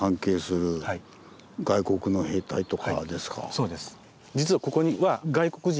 そうです。